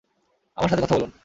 আমার সাথে কথা বলুন।